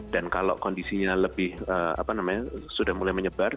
dan kalau kondisinya lebih apa namanya sudah mulai menyebar